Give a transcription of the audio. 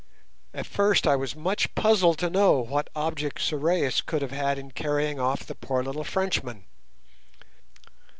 At first I was much puzzled to know what object Sorais could have had in carrying off the poor little Frenchman.